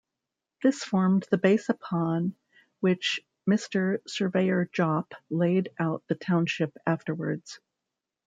This formed the base upon which Mr. Surveyor Jopp laid out the township afterwards.